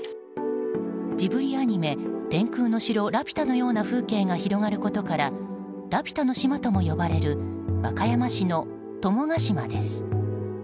ジブリアニメ「天空の城ラピュタ」のような風景が広がることからラピュタの島とも呼ばれる和歌山市の友ヶ島です。